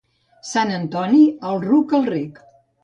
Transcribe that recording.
Sant Antoni, el ruc al rec.